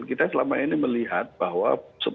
kita selama ini melihat bahwa